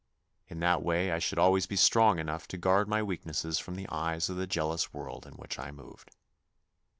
In that way I should always be strong enough to guard my weaknesses from the eyes of the jealous world in which I moved.